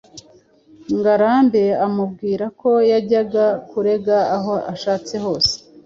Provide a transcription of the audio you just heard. Ngarambe amubwira ko yajya kurega aho ashatse hose.